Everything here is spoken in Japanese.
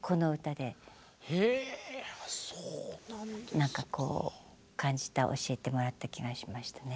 何かこう感じた教えてもらった気がしましたね。